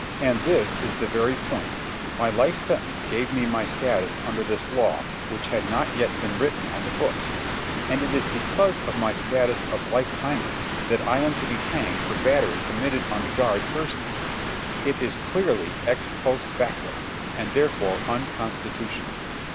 And this is the very point: my life sentence gave me my status under this law which had not yet been written on the books. And it is because of my status of lifetimer that I am to be hanged for battery committed on the guard Thurston. It is clearly ex post facto, and, therefore, unconstitutional.